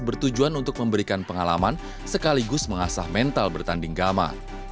bertujuan untuk memberikan pengalaman sekaligus mengasah mental bertanding gama